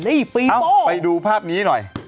เอ้าไปดูภาพนี้หน่อย